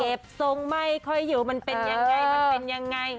ทรงไม่ค่อยอยู่มันเป็นยังไงมันเป็นยังไง